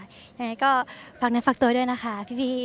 ยังไงก็ฟักเน็ตฟักตัวด้วยนะคะพี่บี